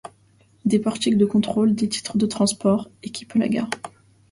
Des portiques de contrôle des titres de transports équipent la gare.